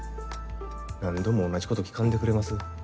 何度も同じこと聞かんでくれます？